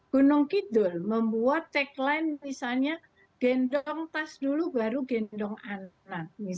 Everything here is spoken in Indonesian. gunung kidul membuat tagline misalnya gendong tas dulu baru gendong anak